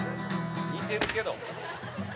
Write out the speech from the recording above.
似てるけども。